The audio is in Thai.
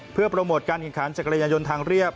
เพื่อโปรโมทการแข่งขันจักรยานยนต์ทางเรียบ